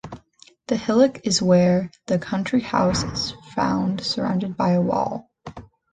The hillock is where the country house is found surrounded by a wall.